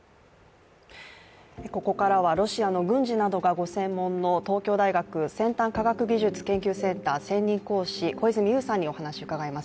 ここからは、ロシアの軍事などがご専門の東京大学先端科学技術研究センター専任講師、小泉悠さんにお話を伺います。